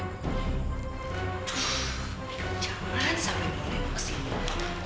tuh jangan sampai mulai lo kesini